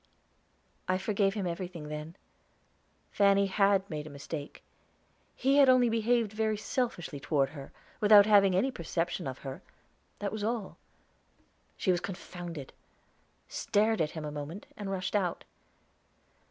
I forgave him everything then. Fanny had made a mistake. He had only behaved very selfishly toward her, without having any perception of her that was all! She was confounded, stared at him a moment, and rushed out.